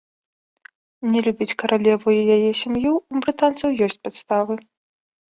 Не любіць каралеву і яе сям'ю ў брытанцаў ёсць падставы.